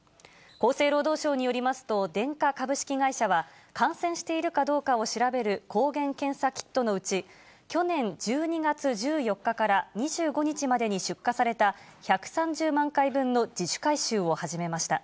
厚生労働省によりますと、デンカ株式会社は、感染しているかどうかを調べる抗原検査キットのうち、去年１２月１４日から２５日までに出荷された１３０万回分の自主回収を始めました。